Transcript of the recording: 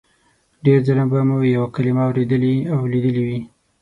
ډېر ځله به مو یوه کلمه اورېدلې او لیدلې وي